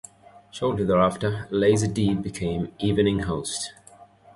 Shortly thereafter, Lysa D. became evening host.